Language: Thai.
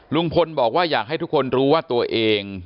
ลุงพลบอกว่าอยากให้ทุกคนรู้ว่าตัวเอง